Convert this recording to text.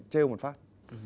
chêu một phát